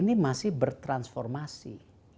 kita masih bertransformasi